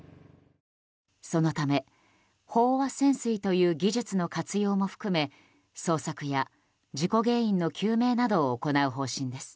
そのため飽和潜水という技術の活用も含め捜索や事故原因の究明などを行う方針です。